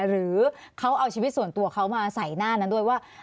หรือเขาเอาชีวิตส่วนตัวเขามาใส่หน้านั้นด้วยว่า